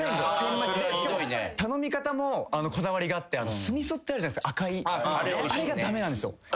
しかも頼み方もこだわりがあって酢みそってあるじゃないですか赤いあれが駄目なんです。